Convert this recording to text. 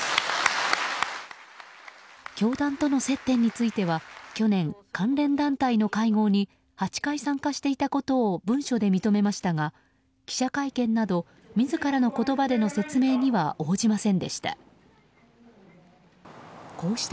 教団との接点については去年、関連団体の会合に８回参加していたことを文書で認めましたが記者会見など自らの言葉での説明には応じませんでした。